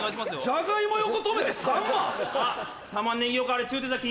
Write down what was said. ジャガイモ横止めて３万！